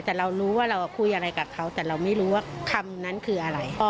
แต่เรารู้ว่าเราคุยอะไรกับเขาแต่เราไม่รู้ว่าคำนั้นคืออะไร